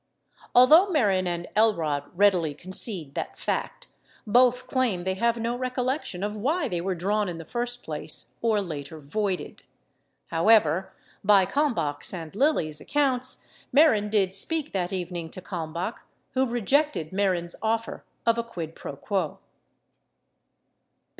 Although Mehren and Elrod readily concede that fact, both claim they have no recollection of why they were drawn in the first place or later voided. 40 However, by Kalm bach's and Lilly's accounts, Mehren did speak that evening to Kalm bach who rejected Mehren's offer of a quid pro quo.